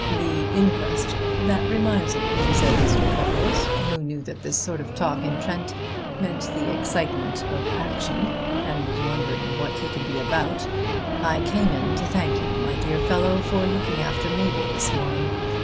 "The inquest that reminds me," said Mr. Cupples, who knew that this sort of talk in Trent meant the excitement of action, and was wondering what he could be about. "I came in to thank you, my dear fellow, for looking after Mabel this morning.